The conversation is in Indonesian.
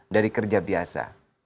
dari kerja biasa